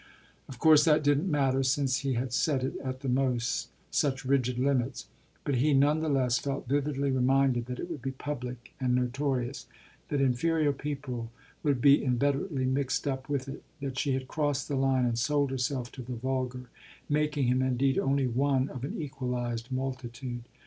Of course that didn't matter, since he had set it, at the most, such rigid limits; but he none the less felt vividly reminded that it would be public and notorious, that inferior people would be inveterately mixed up with it, that she had crossed the line and sold herself to the vulgar, making him indeed only one of an equalised multitude.